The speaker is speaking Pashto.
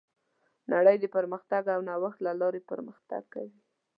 نړۍ د پرمختګ او نوښت له لارې پرمختګ کوي.